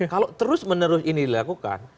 kalau terus menerus ini dilakukan